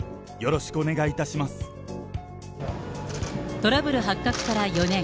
トラブル発覚から４年。